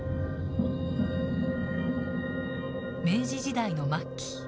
明治時代の末期。